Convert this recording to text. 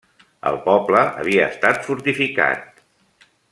El poble havia estat fortificat.